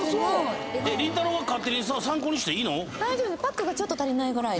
りんたろー。が勝手に参考にしていいの？